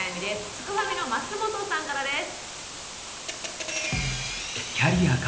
すくファミの松本さんからです。